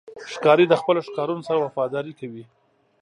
ښکاري د خپلو ښکارونو سره وفاداري کوي.